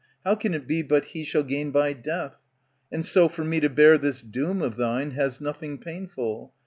How can it be but he shall gain by death ? And so for me to bear this doom of thine Has nothing painful.